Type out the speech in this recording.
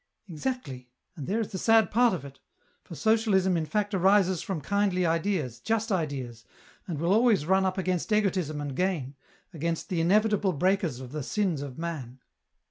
" Exactly, and there is the sad part of it, for socialism in fact arises from kindly ideas, just ideas, and will always run up against egotism and gain, against the inevitable breakers of the sins of man.